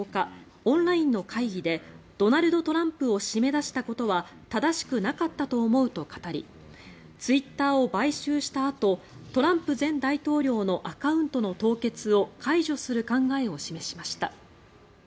オンラインの会議でドナルド・トランプを締め出したことは正しくなかったと思うと語りツイッターを買収したあとトランプ前大統領のアカウントの凍結を解除する考えを示しました。